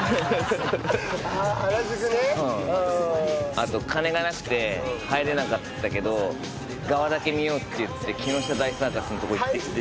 あと金がなくて入れなかったけど側だけ見ようって言って木下大サーカスのとこ行ってきて。